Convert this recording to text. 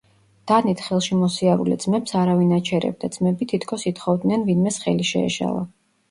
დანით ხელში მოსიარულე ძმებს არავინ აჩერებდა, ძმები თითქოს ითხოვდნენ ვინმეს ხელი შეეშალა.